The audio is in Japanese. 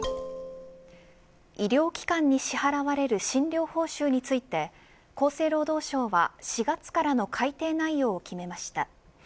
医療機関に支払われる診療報酬について厚生労働省は４月からの改定内容を決めました。